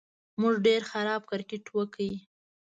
موږ ډېر خراب کرېکټ وکړ